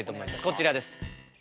こちらです。